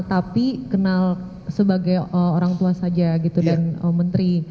tapi kenal sebagai orang tua saja gitu dan menteri